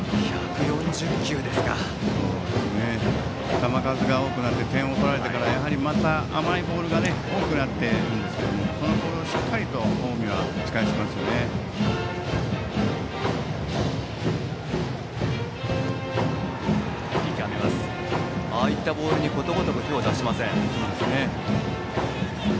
球数が多くなって点を取られてから甘いボールが多くなってくるんですけどそのボールをしっかり近江は打ち返していますね。